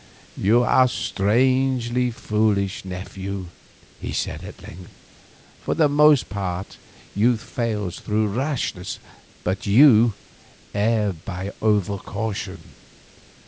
"You are strangely foolish, nephew," he said at length. "For the most part youth fails through rashness, but you err by over caution.